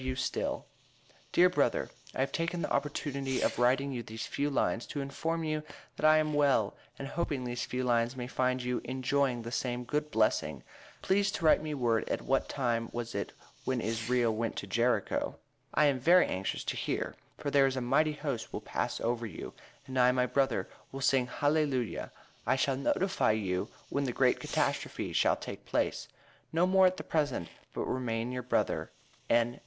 W. STILL: Dear brother i have taken the opportunity of writing you these few lines to inform you that i am well an hoping these few lines may find you enjoying the same good blessing please to write me word at what time was it when isreal went to Jerico i am very anxious to hear for thare is a mighty host will pass over and you and i my brother will sing hally luja i shall notify you when the great catastrophe shal take place No more at the present but remain your brother N.